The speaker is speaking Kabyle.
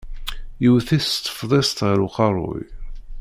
Yewwet-it s tefḍist ɣer uqeṛṛuy.